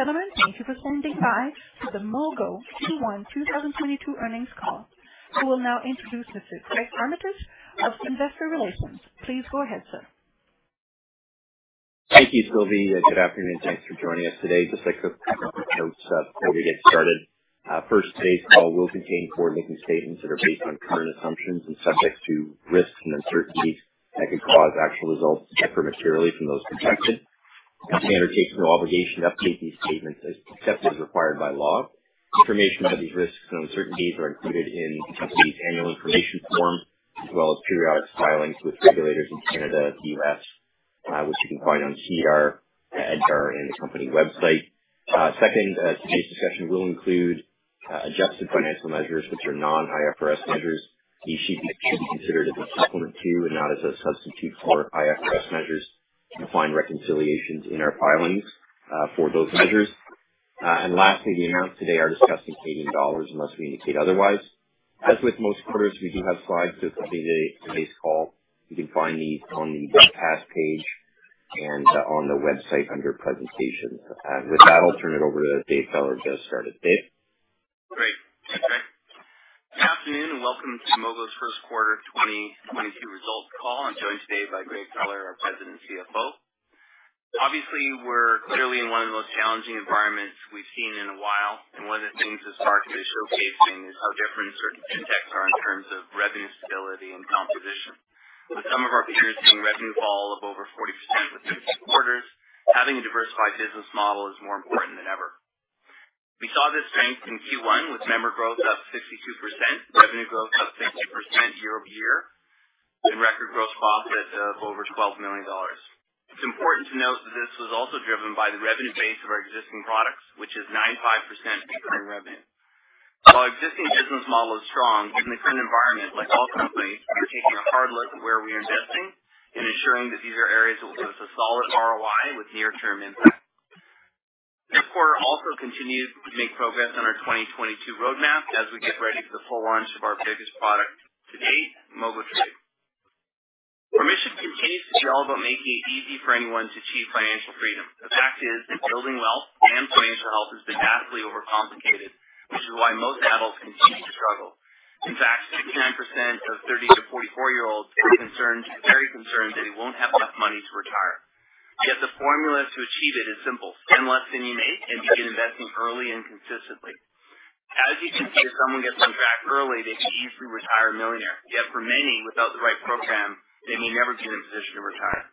Ladies and gentlemen, thank you for standing by for the Mogo Q1 2022 earnings call. I will now introduce Mr. Craig Armitage, of Investor Relations. Please go ahead, sir. Thank you, [Sylvie]. Good afternoon. Thanks for joining us today. Just a quick couple of notes before we get started. First, today's call will contain forward-looking statements that are based on current assumptions and subject to risks and uncertainties that could cause actual results to differ materially from those projected. We undertake no obligation to update these statements, except as required by law. Information about these risks and uncertainties are included in the company's annual information form, as well as periodic filings with regulators in Canada, U.S., which you can find on SEDAR, EDGAR, and the company website. Second, today's discussion will include adjusted financial measures, which are non-IFRS measures. These should be considered as a supplement to and not as a substitute for IFRS measures. You can find reconciliations in our filings for those measures. Lastly, the amounts today are discussed in [Tangerine dollars] unless we indicate otherwise. As with most quarters, we do have slides to accompany today's call. You can find these on the deck page and on the website under presentations. With that, I'll turn it over to Dave Feller to get us started. Dave? Great. Thanks. Good afternoon, welcome to Mogo's first quarter 2022 results call. I'm Dave Feller, joined by Greg Feller, our President and CFO. We're clearly in one of the most challenging environments we've seen in a while, and one of the things this quarter is showcasing is how different certain fintechs are in terms of revenue stability and composition. With some of our peers seeing revenue fall off over 40% over two quarters, having a diversified business model is more important than ever. We saw this strength in Q1 with member growth up 62%, revenue growth up 50% year-over-year, and record gross profit of over 12 million dollars. It's important to note that this was also driven by the revenue base of our existing products, which is 95% recurring revenue. While our existing business model is strong in this current environment, like all companies, we're taking a hard look at where we are investing and ensuring that these are areas that will give us a solid ROI with near-term impact. This quarter also continued to make focus on our 2022 roadmap as we get ready for the full launch of our biggest product to date, MogoTrade. Our mission continues to be all about making it easy for anyone to achieve financial freedom. The fact is that building wealth and financial health has been vastly overcomplicated, which is why most adults continue to struggle. In fact, 60% of 30 to 44-year-olds are very concerned they won't have enough money to retire. Yet the formula to achieve it is simple: spend less than you make and begin investing early and consistently. As you can see, if someone gets on track early, they can easily retire a millionaire. For many, without the right program, they may never be in a position to retire.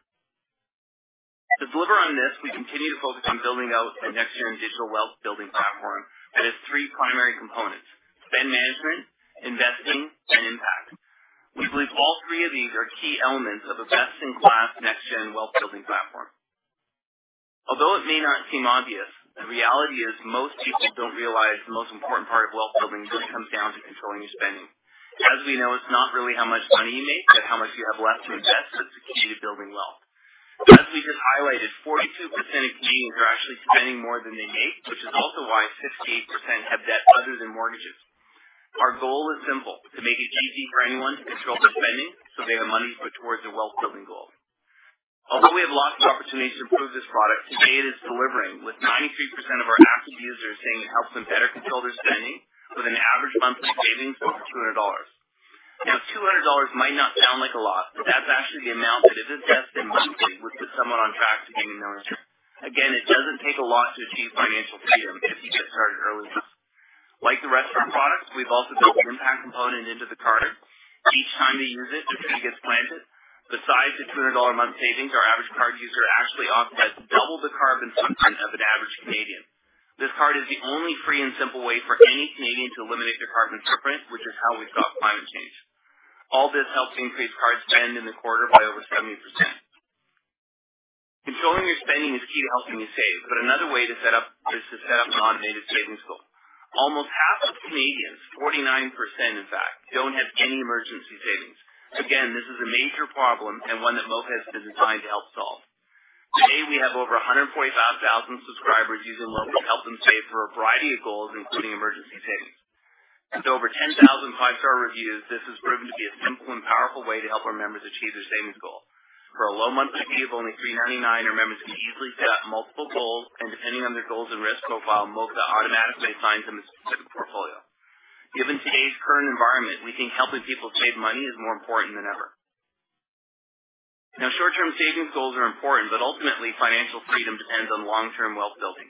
To deliver on this, we continue to focus on building out a next-gen digital wealth-building platform that has three primary components: spend management, investing, and impact. We believe all three of these are key elements of a best-in-class next-gen wealth-building platform. It may not seem obvious, the reality is most people don't realize the most important part of wealth building really comes down to controlling your spending. As we know, it's not really how much money you make, but how much you have left to invest that's the key to building wealth. As we just highlighted, 42% of Canadians are actually spending more than they make, which is also why 68% have debt other than mortgages. Our goal is simple: to make it easy for anyone to control their spending so they have money to put towards their wealth-building goal. Although we have lots of opportunity to improve this product, today it is delivering, with 93% of our active users saying it helps them better control their spending, with an average monthly savings of 200 dollars. Now, 200 dollars might not sound like a lot, but that's actually the amount that is invested monthly, with the sum on track to being a millionaire. Again, it doesn't take a lot to achieve financial freedom if you get started early enough. Like the rest of our products, we've also built an impact component into the card. Each time you use it, a tree gets planted. Besides the 200 dollar a month savings, our average card user actually offsets double the carbon footprint of an average Canadian. This card is the only free and simple way for any Canadian to eliminate their carbon footprint, which is how we stop climate change. All this helped increase card spend in the quarter by over 70%. Controlling your spending is key to helping you save, but another way is to set up an automated savings goal. Almost half of Canadians, 49% in fact, don't have any emergency savings. Again, this is a major problem and one that Mogo has been designed to help solve. Today, we have over 145,000 subscribers using Mogo to help them save for a variety of goals, including emergency savings. With over 10,000 five-star reviews, this has proven to be a simple and powerful way to help our members achieve their savings goal. For a low monthly fee of only 3.99, our members can easily set up multiple goals. Depending on the goals and risk profile, Mogo automatically assigns them a specific portfolio. Given today's current environment, we think helping people save money is more important than ever. Short-term savings goals are important. Ultimately, financial freedom depends on long-term wealth building.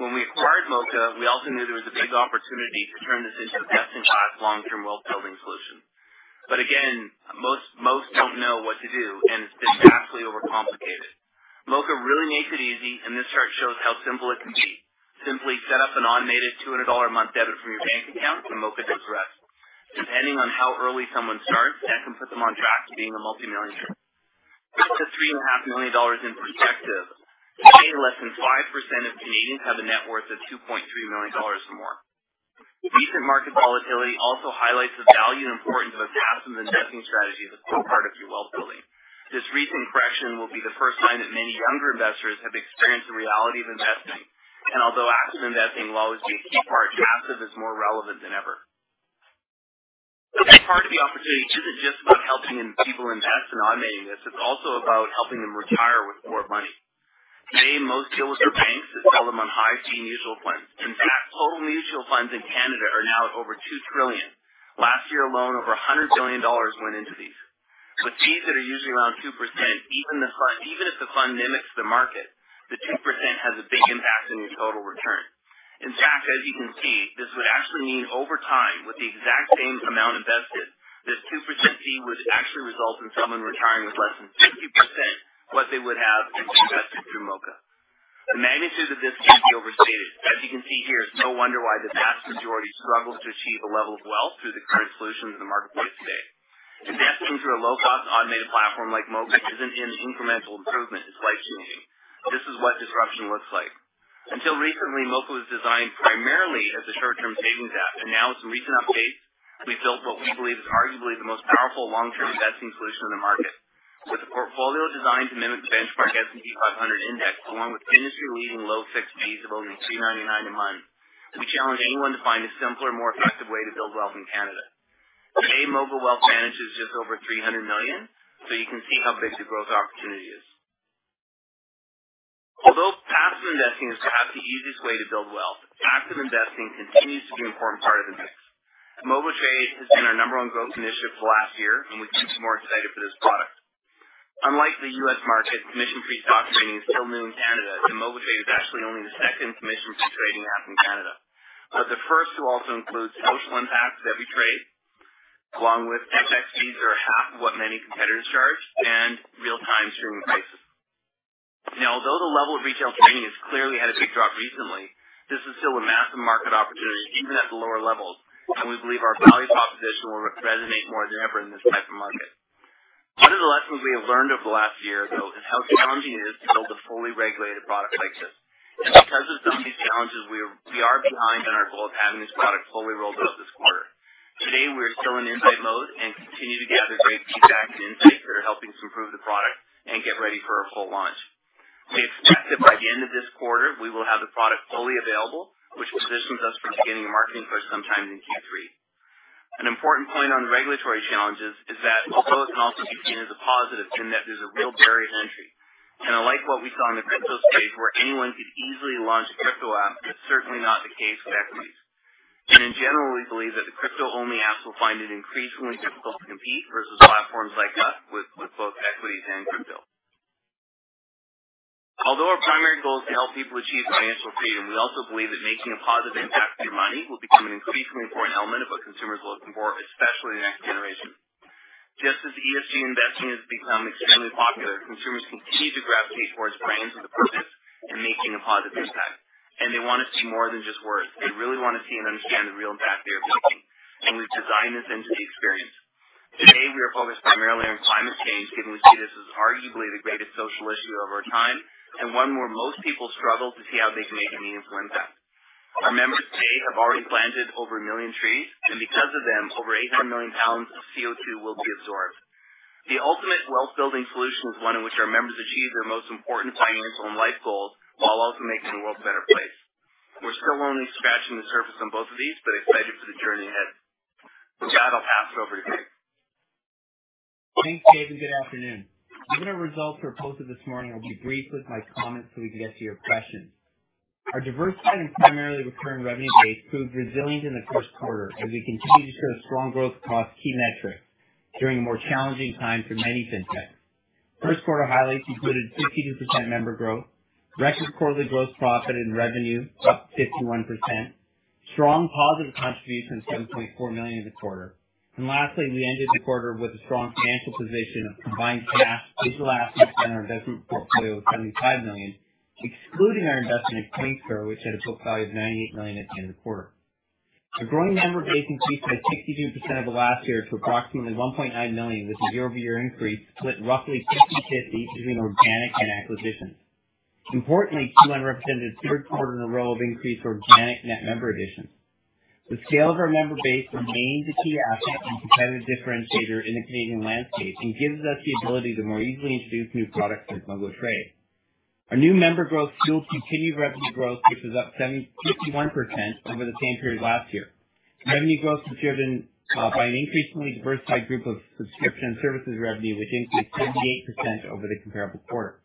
When we acquired Moka, we also knew there was a big opportunity to turn this into a best-in-class long-term wealth-building solution. Again, most don't know what to do. It's been vastly overcomplicated. Moka really makes it easy. This chart shows how simple it can be. Simply set up an automated CAD 200 a month debit from your bank account. Moka does the rest. Depending on how early someone starts, that can put them on track to being a multimillionaire. To put 3.5 million dollars in perspective, only less than 5% of Canadians have a net worth of 2.3 million dollars or more. Recent market volatility also highlights the value and importance of a passive investing strategy as a core part of your wealth building. This recent correction will be the first time that many younger investors have experienced the reality of investing, and although active investing will always be a key part, passive is more relevant than ever. Part of the opportunity isn't just about helping people invest and automate, it's also about helping them retire with more money. Today, most people with their banks just hold them on high fee mutual funds. In fact, all mutual funds in Canada are now at over 2 trillion. Last year alone, over 100 billion dollars went into these. With fees that are usually around 2%, even if the fund mimics the market, the 2% has a big impact on your total return. In fact, as you can see, this would actually mean over time, with the exact same amount invested, this 2% fee would actually result in someone retiring with less than 50% of what they would have if they invested through Moka. The magnitude of this can't be overstated. As you can see here, it's no wonder why the vast majority struggles to achieve a level of wealth through the current solutions in the marketplace today. In fact, moving to a low-cost automated platform like Moka isn't an incremental improvement. It's life-changing. This is what disruption looks like. Until recently, Moka was designed primarily as a short-term savings app. Now with some recent updates, we've built what we believe is arguably the most powerful long-term investing solution in the market. With a portfolio designed to mimic the benchmark S&P 500 index, along with industry-leading low fixed fees of only 3.99 a month, we challenge anyone to find a simpler, more effective way to build wealth in Canada. Today, Moka Wealth manages just over 300 million. You can see how big the growth opportunity is. Although passive investing is perhaps the easiest way to build wealth, active investing continues to be an important part of the mix. MogoTrade has been our number one growth initiative for the last year. We couldn't be more excited for this product. Unlike the U.S. market, commission-free stock trading is still new in Canada, MogoTrade is actually only the second commission-free trading app in Canada. The first to also include 10% back with every trade, along with FX fees are half of what many competitors charge and real-time streaming prices. Now, although the level of retail trading has clearly had a big drop recently, this is still a massive market opportunity even at the lower levels, and we believe our value proposition will resonate more than ever in this type of market. One of the lessons we have learned over the last year, though, is how challenging it is to build a fully regulated product like this. Because of some of these challenges, we are behind on our goal of having this product fully rolled out this quarter. Today, we are still in insight mode and continue to gather great feedback and insights that are helping to improve the product and get ready for a full launch. We expect that by the end of this quarter, we will have the product fully available, which positions us for a scaling marketing push sometime in Q3. An important point on the regulatory challenges is that although it can also be seen as a positive in that there's a real barrier to entry. Unlike what we saw in the crypto space where anyone could easily launch a crypto app, that's certainly not the case with equities. In general, we believe that the crypto-only apps will find it increasingly difficult to compete versus platforms like us with both equities and crypto. Although our primary goal is to help people achieve financial freedom, we also believe that making a positive impact with your money will become an increasingly important element of what consumers are looking for, especially the next generation. Just as ESG investing has become extremely popular, consumers continue to gravitate towards brands with a purpose and making a positive impact. They want to see more than just words. They really want to see and understand the real impact they are making. We've designed this into the experience. Today, we are focused primarily on climate change given we see this as arguably the greatest social issue of our time, and one where most people struggle to see how they can make an meaningful impact. Our members today have already planted over a million trees, and because of them, over 800 million pounds of CO2 will be absorbed. The ultimate wealth-building solution is one in which our members achieve their most important financial and life goals while also making the world a better place. We're still only scratching the surface on both of these, but excited for the journey ahead. With that, I'll pass it over to Greg Feller. Thanks, Dave. Good afternoon. Our quarter results were posted this morning. I'll be brief with my comments so we can get to your questions. Our diversified and primarily recurring revenue base proved resilient in the first quarter as we continued to show strong growth across key metrics during a more challenging time for many fintechs. First quarter highlights included 15% member growth, record quarterly gross profit and revenue up 51%, strong positive contribution of 7.4 million in the quarter, and lastly, we ended the quarter with a strong financial position of combined cash, digital assets on our investment portfolio of 75 million, excluding our investment in Pink rho, which had a book value of 98 million at the end of the quarter. Our growing member base increased by 62% over last year to approximately 1.9 million with a year-over-year increase split roughly 50/50 between organic and acquisitions. Importantly, Q1 represented the third quarter in a row of increased organic net member additions. The scale of our member base remains a key asset and competitive differentiator in the Canadian landscape and gives us the ability to more easily introduce new products like MogoTrade. Our new member growth fueled continued revenue growth, which was up 51% over the same period last year. Revenue growth was driven by an increasingly diversified group of subscription and services revenue, which increased 38% over the comparable quarter.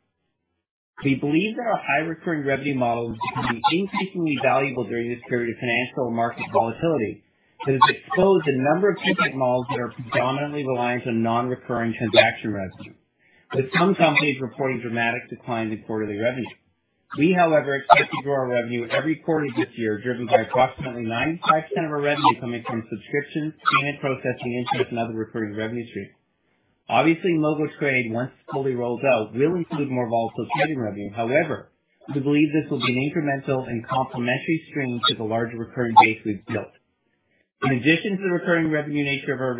We believe that our high recurring revenue model has become increasingly valuable during this period of financial market volatility that has exposed a number of fintech models that are predominantly reliant on non-recurring transaction revenue, with some companies reporting dramatic declines in quarterly revenue. We, however, continued to grow our revenue every quarter this year, driven by approximately 95% of our revenue coming from subscriptions, payment processing interest, and other recurring revenue streams. Obviously, MogoTrade, once fully rolled out, will include more volatile trading revenue. However, we believe this will be an incremental and complementary stream to the larger recurring base we've built. In addition to the recurring revenue nature of our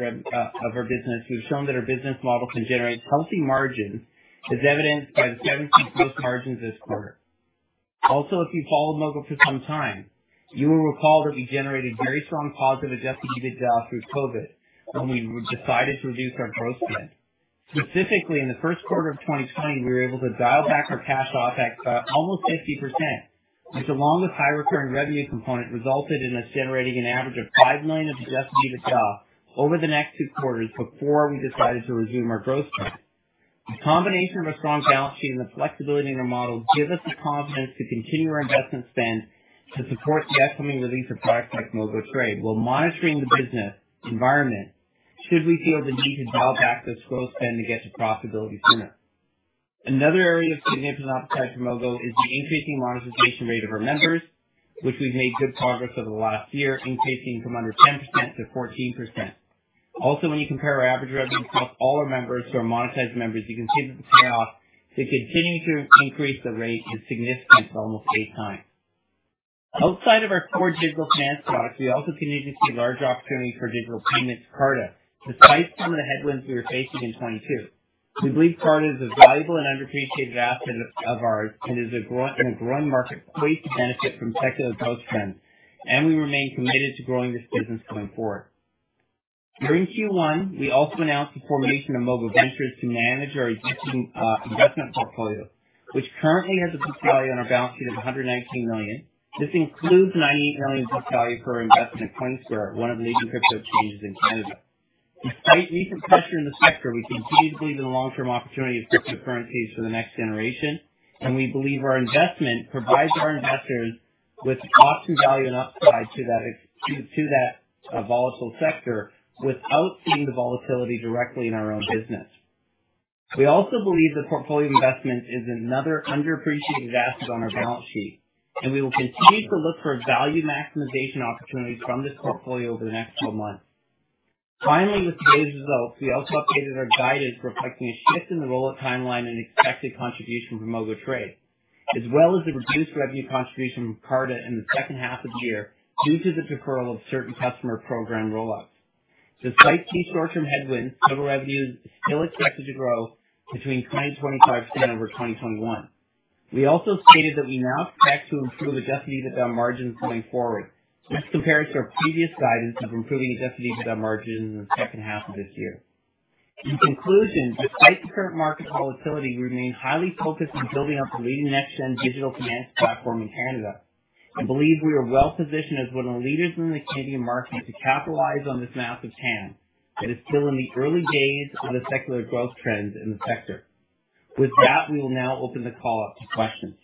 business, we've shown that our business model can generate healthy margins as evidenced by the 17% gross margins this quarter. Also, if you followed Moka for some time, you will recall that we generated very strong positive adjusted EBITDA through COVID when we decided to reduce our growth spend. Specifically, in the first quarter of 2020, we were able to dial back our cash outlay by almost 50%, which along with high recurring revenue components, resulted in us generating an average of 5 million of adjusted EBITDA over the next two quarters before we decided to resume our growth trend. The combination of a strong balance sheet and the flexibility in our model give us the confidence to continue our investment spend to support desperately needed products like MogoTrade, while monitoring the business environment should we feel the need to dial back this growth spend to get to profitability sooner. Another area of significance outside of Mogo is the increasing monetization rate of our members, which we've made good progress over the last year, increasing from under 10% to 14%. When you compare our average revenue across all our members to our monetized members, you can see that the payoff to continuing to increase the rate is significant, almost eight times. Outside of our core digital finance products, we also continue to see large opportunities for digital payments with Carta, despite some of the headwinds we were facing in 2022. We believe Carta is a valuable and underappreciated asset of ours and is a growing market poised to benefit from secular growth trends, and we remain committed to growing this business going forward. During Q1, we also announced the formation of Mogo Ventures to manage our existing investment portfolio, which currently has a book value on our balance sheet of 119 million. This includes 98 million book value for our investment in Coinsquare, one of the leading cryptocurrency in Canada. Despite recent pressure in the sector, we continue to believe in the long-term opportunity of cryptocurrencies for the next generation, and we believe our investment provides our investors with option value and upside to that volatile sector without seeing the volatility directly in our own business. We also believe the portfolio investment is another underappreciated asset on our balance sheet, and we will continue to look for value maximization opportunities from this portfolio over the next 12 months. Finally, with today's results, we also updated our guidance, reflecting a shift in the rollout timeline and expected contribution from MogoTrade, as well as the reduced revenue contribution from Carta in the second half of the year due to the deferral of certain customer program roll-ups. Despite these short-term headwinds, total revenue is still expected to grow between 20% and 25% over 2021. We also stated that we now expect to improve adjusted EBITDA margins going forward. This compares to our previous guidance of improving adjusted EBITDA margins in the second half of this year. In conclusion, despite the current market volatility, we remain highly focused on building out the leading next-gen digital finance platform in Canada and believe we are well-positioned as one of the leaders in the Canadian market to capitalize on this massive TAM that is still in the early days of a secular growth trend in the sector. With that, we will now open the call up to questions.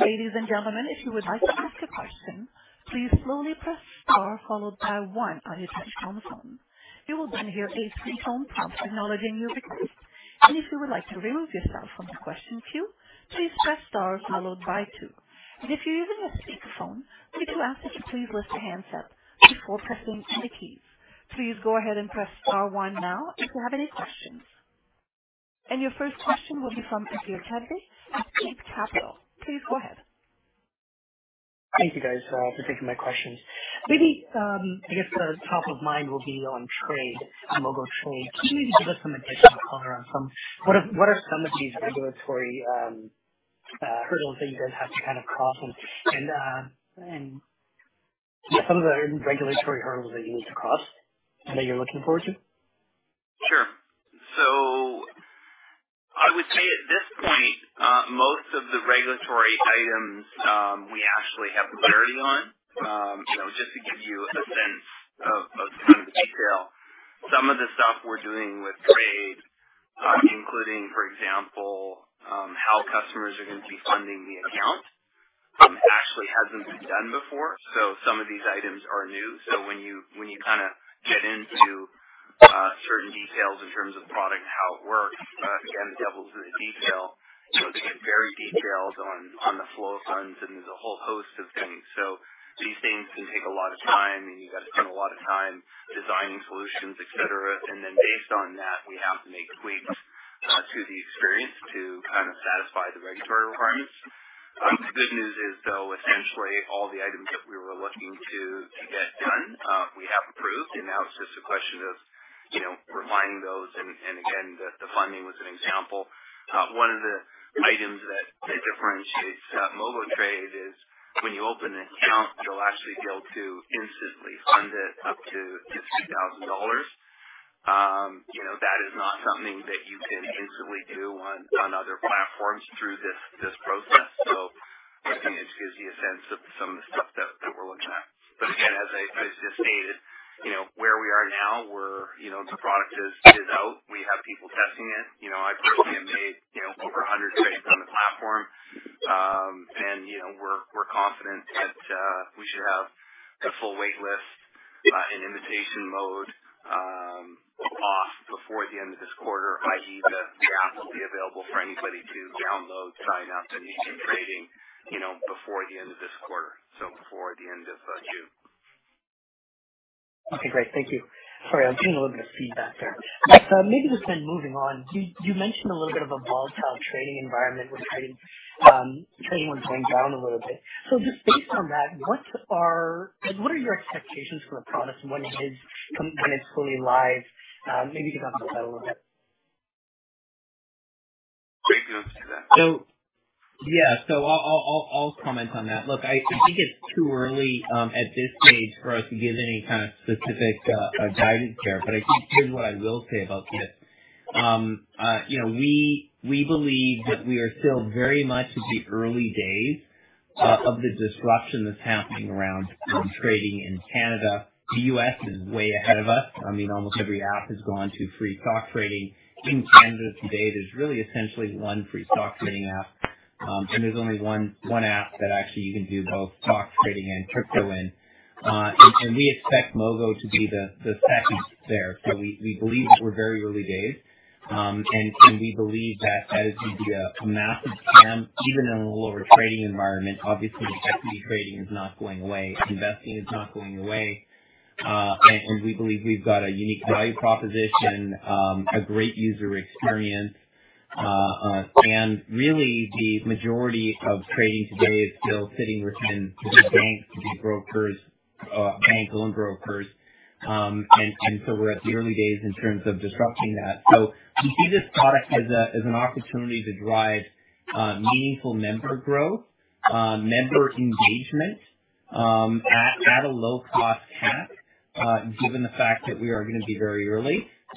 Ladies and gentlemen, if you would like to ask a question, please slowly press star followed by one on your touch-tone phone. You will hear a pre-tone prompt acknowledging your request. If you would like to remove yourself from the question queue, please press star followed by two. If you're using a speakerphone, we do ask that you please raise a handset before pressing any keys. Please go ahead and press star one now if you have any questions. Your first question will be from [Adhir Kadve at Eight Capital]. Please go ahead. Thank you guys for taking my questions. Just top of mind will be on trade, on MogoTrade. Can you just give us an update on progress on what are some of these regulatory hurdles you guys have to kind of cross and some of the regulatory hurdles that you need to cross that you're looking forward to? Sure. I would say at this point, most of the regulatory items we actually have clarity on. Just to give you a sense of some of the detail, some of the stuff we are doing with MogoTrade including, for example, how customers are going to be funding the account actually hasn't been done before. Some of these items are new. When you get into certain details in terms of product and how it works, again, the devil's in the detail. They get very detailed on the flow of funds. I mean, there's a whole host of things. These things can take a lot of time, and you got to spend a lot of time designing solutions, et cetera. Based on that, we have to make tweaks to the experience to satisfy the regulatory requirements. The good news is, though, essentially all the items that we were looking to get done, we have approved, and now it's just a question of refining those. Again, the funding was an example. One of the items that differentiates MogoTrade is when you open an account, you'll actually be able to instantly fund it up to CAD 50,000. That is not something that you can instantly do on other platforms through this process. I think it gives you a sense of some of the stuff that we're looking at. Again, as I just stated, where we are now, the product is out. We have people testing it. I personally have made over 100 trades on the platform. We're confident that we should have the full waitlist in invitation mode off before the end of this quarter, i.e., the app will be available for anybody to download, sign up, and begin trading before the end of this quarter. Before the end of June. Okay, great. Thank you. Sorry, I'm getting a little bit of feedback there. Maybe just moving on, you mentioned a little bit of a volatile trading environment, which trading volume going down a little bit. Just based on that, what are your expectations for the product and when it is fully live, maybe you can talk about that a little bit? I'll comment on that. Look, I think it's too early at this stage for us to give any kind of specific guidance there. I think here's what I will say about this. We believe that we are still very much at the early days of the disruption that's happening around trading in Canada. The U.S. is way ahead of us. Almost every app has gone to free stock trading. In Canada today, there's really essentially one free stock trading app, and there's only one app that actually you can do both stock trading and crypto in. We expect Mogo to be the second there. We believe that we're very early days, and we believe that as we do a massive spend, even in a lower trading environment, obviously equity trading is not going away, investing is not going away. We believe we've got a unique value proposition, a great user experience. Really the majority of trading today is still sitting within the big brokers, bank-owned brokers. We're at the early days in terms of disrupting that. We see this product as an opportunity to drive meaningful member growth, member engagement at a low cost CAC, given the fact that we are going to be very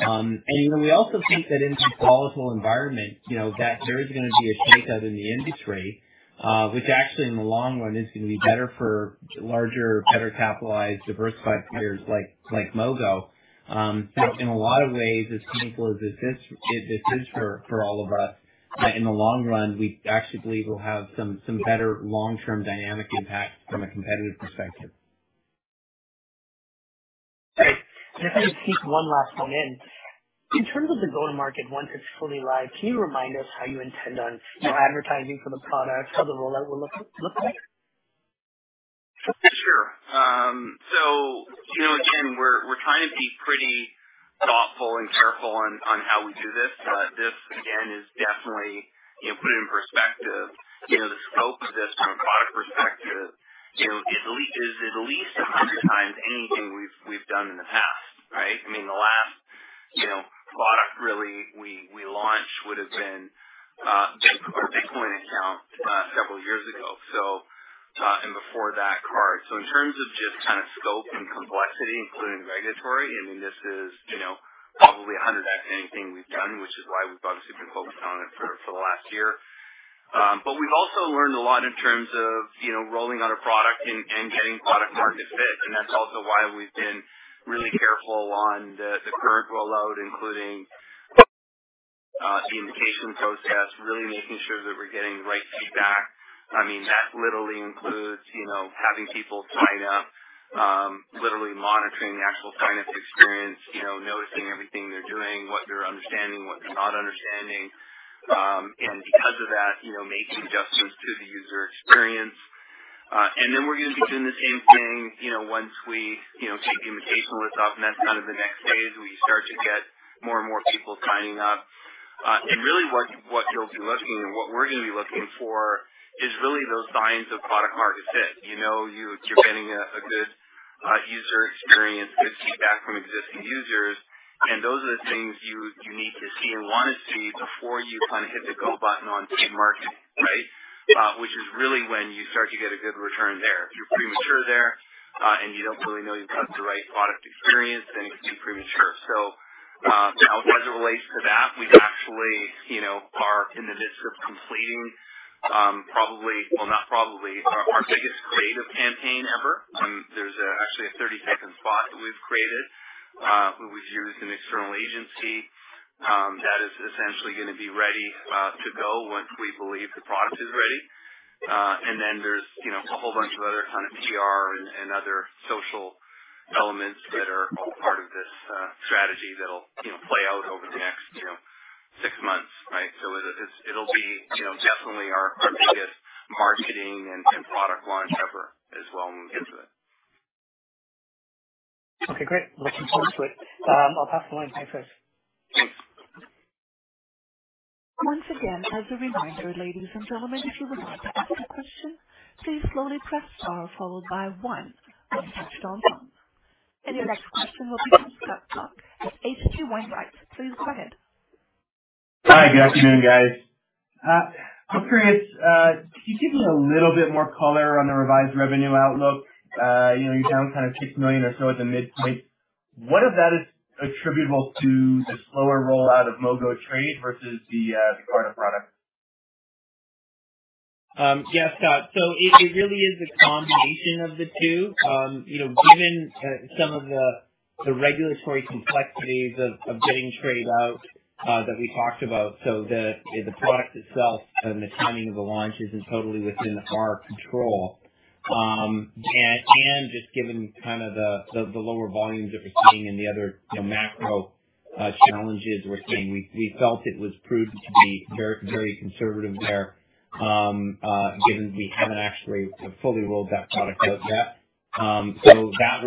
early. We also think that in some volatile environment, that there is going to be a shakeout in the industry, which actually in the long run is going to be better for larger, better capitalized, diversified players like Mogo. In a lot of ways, as painful as this is for all of us, that in the long run, we actually believe we'll have some better long-term dynamic impact from a competitive perspective. Great. Just going to squeeze one last one in. In terms of the go-to-market once it's fully live, can you remind us how you intend on advertising for the product, how the rollout will look like? Sure. Again, we're trying to be pretty thoughtful and careful on how we do this. This again is definitely put in perspective. The scope of this from a product perspective is at least 100 times anything we've done in the past, right? The last product really we launched would've been Bitcoin account several years ago, and before that, card. In terms of just kind of scope and complexity, including regulatory, this is probably 100 times anything we've done, which is why we've obviously been focused on it for the last year. We've also learned a lot in terms of rolling out a product and getting product-market fit. That's also why we've been really careful on the current rollout, including the invitation process, really making sure that we're getting the right feedback. That literally includes having people sign up, literally monitoring the actual sign-up experience, noticing everything they're doing, what they're understanding, what they're not understanding. Because of that, making adjustments to the user experience. Then we're going to be doing the same thing once we take invitations off. That's kind of the next phase where you start to get more and more people signing up. Really what you'll be looking, and what we're going to be looking for is really those signs of product-market fit. You're getting a good user experience, good feedback from existing users, and those are the things you need to see and want to see before you kind of hit the go button on paid marketing, right? Which is really when you start to get a good return there. If you're premature there, and you don't really know you've got the right product experience, then it can be premature. Now as it relates to that, we actually are in the midst of completing probably, well, not probably, our biggest creative campaign ever. There's actually a 30-second spot that we've created. We've used an external agency that is essentially going to be ready to go once we believe the product is ready. Then there's a whole bunch of other kind of PR and other social elements that are all part of this strategy that'll play out over the next six months, right? It'll be definitely our biggest marketing and product launch ever as well in business. Okay, great. Looking forward to it. I will pass the line thanks Dave.. Once again, as a reminder, ladies and gentlemen, if you would like to ask a question, please slowly press star followed by one on your touchtone phone. Your next question will come from Scott Buck, with H.C. Wainwright. Please go ahead. Hi, good afternoon, guys. I'm curious, can you give us a little bit more color on the revised revenue outlook? You down kind of 15 million or so at the midpoint. What of that is attributable to the slower rollout of MogoTrade versus the broader product? Scott. It really is a combination of the two. Given some of the regulatory complexities of getting MogoTrade out that we talked about. The product itself and the timing of the launch isn't totally within our control. Just given kind of the lower volumes that we're seeing and the other macro challenges we're seeing, we felt it was prudent to be very conservative there given we haven't actually fully rolled that product out yet. That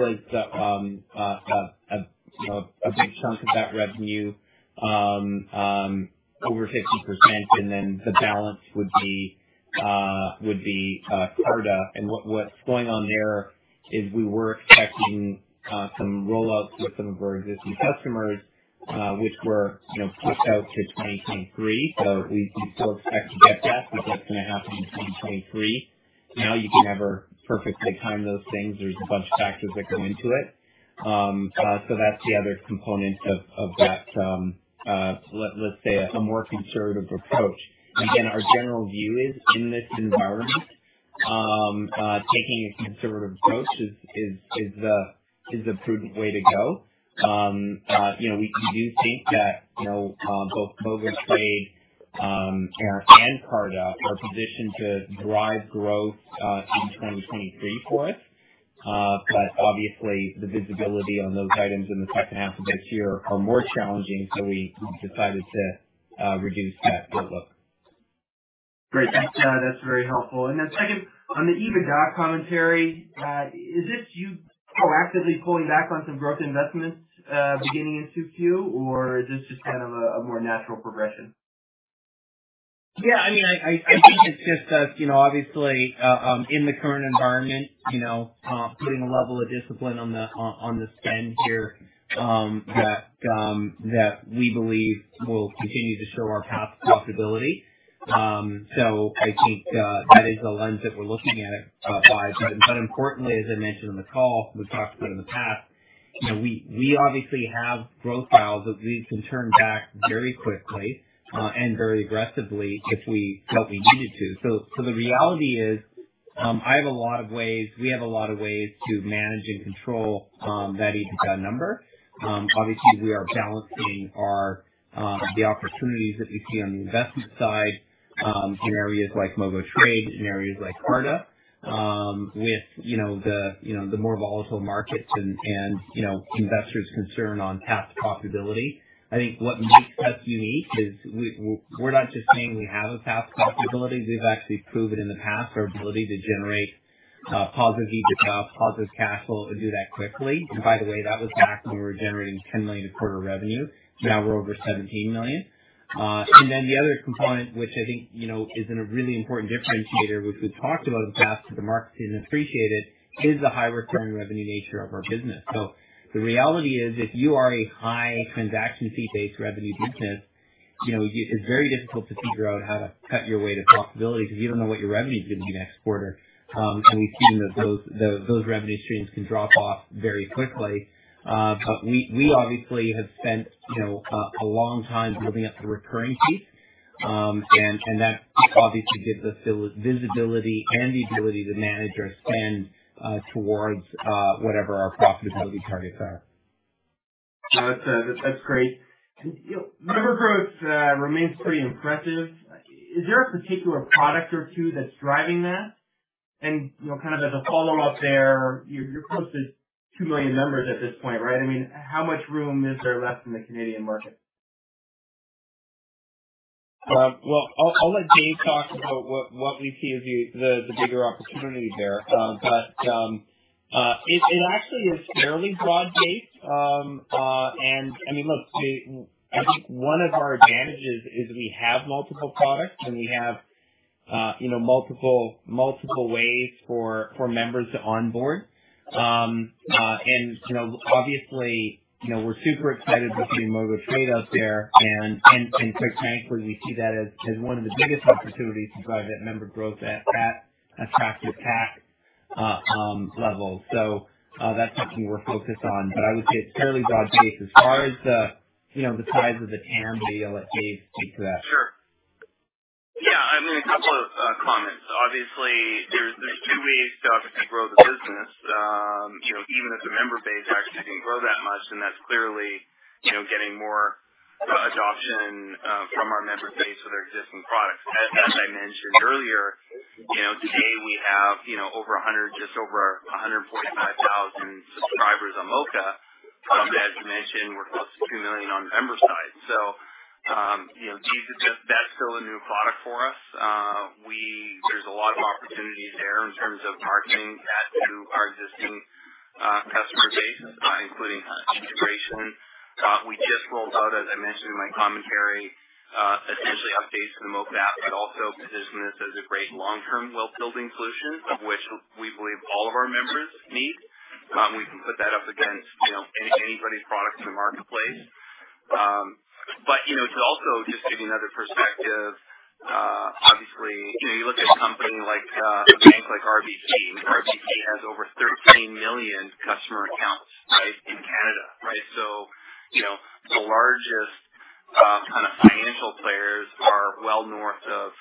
was a big chunk of that revenue, over 50%, and then the balance would be Carta. What's going on there is we were expecting some roll-ups with some of our existing customers which were pushed out to 2023. We still expect to get that, but that's going to happen in 2023. You can never perfectly time those things. There's a bunch of factors that go into it. That's the other component of that, let's say, a more conservative approach. Again, our general view is in this environment, taking a conservative approach is a prudent way to go. We do think that both MogoTrade and Carta are positioned to drive growth in 2023 for us. Obviously the visibility on those items in the second half of this year are more challenging, so we've decided to reduce that playbook. Great. That's very helpful. Second, on the EBITDA commentary, is this you proactively pulling back on some growth investments beginning in 2Q or just a more natural progression? I think it's just us, obviously, in the current environment, putting a level of discipline on the spend here that we believe will continue to show our path to profitability. I think that is the lens that we're looking at it by. Importantly, as I mentioned on the call, we've talked about in the past, we obviously have growth dials that we can turn back very quickly and very aggressively if we felt we needed to. The reality is we have a lot of ways to manage and control that EBITDA number. Obviously, we are balancing the opportunities that we see on the investment side in areas like MogoTrade, in areas like Carta with the more volatile markets and investors' concern on path to profitability. I think what makes us unique is we're not just saying we have a path to profitability. We've actually proven in the past our ability to generate positive EBITDA, positive cash flow, and do that quickly. By the way, that was back when we were generating 10 million a quarter revenue. Now we're over 17 million. The other component, which I think is a really important differentiator, which we've talked about in the past that the market hasn't appreciated, is the high recurring revenue nature of our business. The reality is, if you are a high transaction fee-based revenue business it's very difficult to figure out how to cut your way to profitability because you don't know what your revenue is going to be next quarter. We've seen that those revenue streams can drop off very quickly. We obviously have spent a long time building up the recurring piece. That obviously gives us the visibility and the ability to manage our spend towards whatever our profitability targets are. That's great. Member growth remains pretty impressive. Is there a particular product or two that's driving that? As a follow-up there, you're close to 2 million members at this point, right? How much room is there left in the Tangerine market? Well, I'll let Dave talk about what we see as the bigger opportunity there. It actually is fairly broad-based. I mean, look, Dave, I think one of our advantages is we have multiple products and we have multiple ways for members to onboard. Obviously, we're super excited about the MogoTrade out there. Quite frankly, we see that as one of the biggest opportunities to drive that member growth at that attractive CAC level. That's something we're focused on. I would say it's fairly broad-based as far as the size of the TAM, the LFA, etc. Sure. Yeah, a couple of comments. Obviously, there's two ways to grow the business, even if the member base actually didn't grow that much, and that's clearly getting more adoption from our member base with our existing products. As I mentioned earlier, today we have just over 145,000 subscribers on Moka. As you mentioned, we're close to two million on the member side. That's still a new product for us. There's a lot of opportunity there in terms of marketing that to our existing customer base, including integration. We just rolled out, as I mentioned in my commentary, potentially updates to the Moka app. It also positions us as a great long-term wealth building solution, of which we believe all of our members need. We can put that up against anybody's products in the marketplace. Also just giving another perspective, obviously, you look at companies like RBC, and RBC has over 13 million customer accounts in Canada. The largest financial players are well north of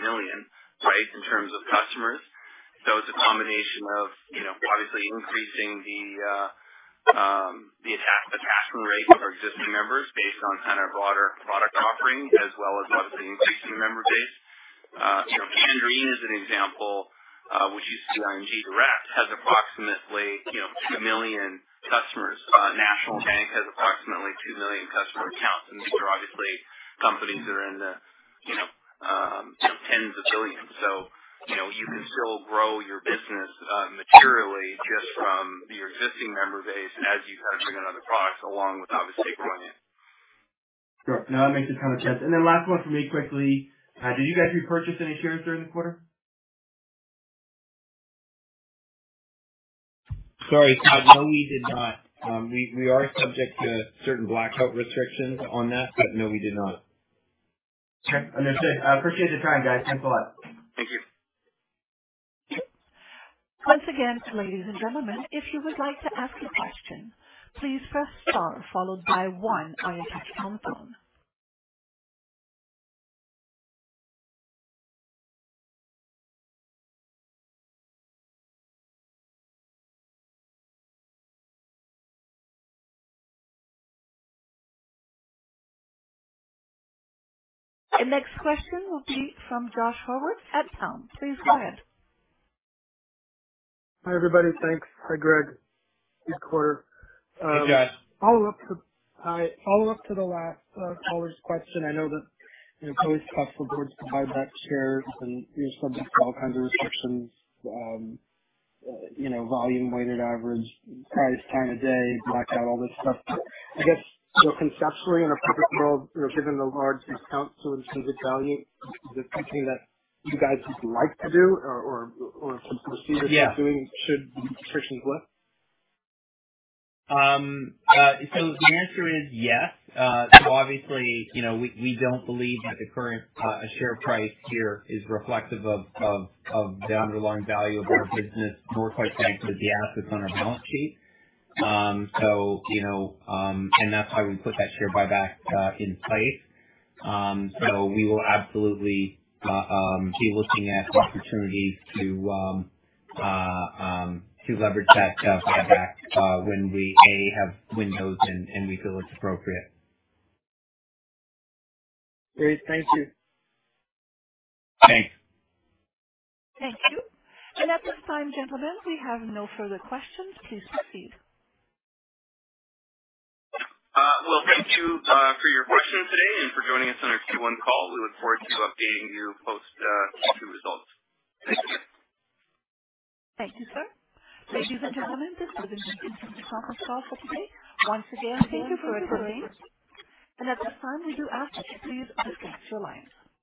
10 million in terms of customers. It's a combination of obviously increasing the attach rate for existing members based on our product offerings as well as obviously increasing the member base. Tangerine is an example, which you see on [GGRS], has approximately 2 million customers. National Bank has approximately 2 million customer accounts. These are obviously companies that are in the tens of billions. You can still grow your business materially just from your existing member base as you bring another product along with obviously growing it. Sure. No, that makes a ton of sense. Then last one from me quickly, did you guys repurchase any shares during the quarter? Sorry, Scott, we did not. We are subject to certain blackout restrictions on that. No, we did not. Sure. Understood. I appreciate the time, guys. Thanks a lot. Thank you. Once again, ladies and gentlemen, if you would like to ask a question, please press star followed by one on your touchtone phone. Our next question will be from [Josh Howards at TOM]. Please go ahead. Hi, everybody. Thanks. Hi, Greg. Good quarter. Hey, Josh. I'll look to the last caller's question. I know that it's probably tough for the board to buy back shares and you're subject to all kinds of restrictions, volume weighted average, price time of day, blackout, all this stuff. I guess more conceptually in a perfect world, given the large discount to intrinsic value, is this something that you guys would like to do or something you're pursuing should the restrictions lift? The answer is yes. Obviously, we don't believe that the current share price here is reflective of the underlying value of our business, nor quite frankly, the assets on our balance sheet. That's why we put that share buyback in place. We will absolutely be looking at opportunities to leverage that buyback when we, A, have windows and we feel it's appropriate. Great. Thank you. Bye. Thank you. At this time, gentlemen, we have no further questions. Please proceed. Well, thank you for your questions today and for joining us on our Q1 call. We look forward to updating you post Q2 results. Thank you. Thank you, sir. Ladies and gentlemen, this concludes the conference call for today. Once again, Greg Feller. At this time, we do ask that you please disconnect your lines.